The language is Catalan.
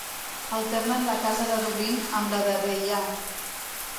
Alternen la casa de Dublín amb la de Deià.